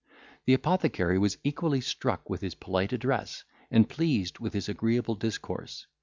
The apothecary was equally struck with his polite address, and pleased with his agreeable discourse.